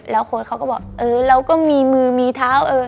โค้ดเขาก็บอกเออเราก็มีมือมีเท้าเออ